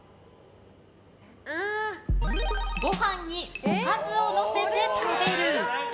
ご飯におかずをのせて食べる。